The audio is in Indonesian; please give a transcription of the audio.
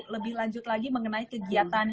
lebih lanjut lagi mengenai kegiatan